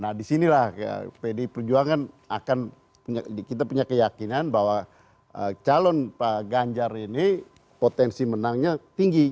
nah disinilah pdi perjuangan akan kita punya keyakinan bahwa calon pak ganjar ini potensi menangnya tinggi